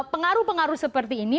pengaruh pengaruh seperti ini